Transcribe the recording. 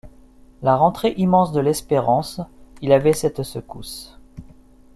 La rentrée immense de l’espérance, il avait cette secousse.